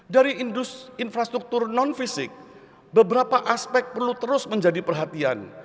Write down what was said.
dari infrastruktur non fisik beberapa aspek perlu terus menjadi perhatian